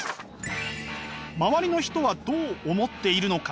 周りの人はどう思っているのか？